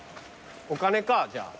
お金かじゃあ。